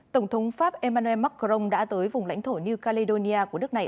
tổng thống pháp emmanuel macron đã tới vùng lãnh thổ new caledonia của nước này